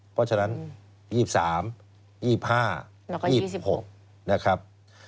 เพราะฉะนั้น๒๓๒๕๒๖นะครับ